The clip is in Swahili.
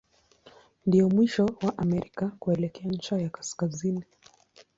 Ndio mwisho wa Amerika kuelekea ncha ya kaskazini.